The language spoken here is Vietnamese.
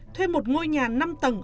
thuê một ngôi nhà năm tầng